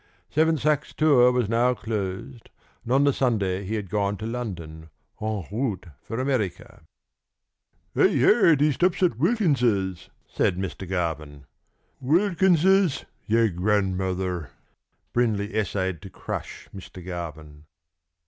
Seven Sachs's tour was now closed, and on the Sunday he had gone to London, en route for America. "I heard he stops at Wilkins's," said Mr. Garvin. "Wilkins's your grandmother!" Brindley essayed to crush Mr. Garvin.